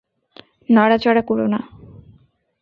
নড়াচড়া কোরো না!